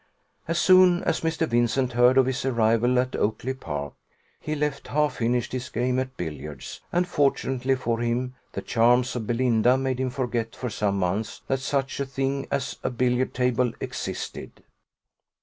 As soon as Mr. Vincent heard of his arrival at Oakly park, he left half finished his game at billiards; and, fortunately for him, the charms of Belinda made him forget for some months that such a thing as a billiard table existed.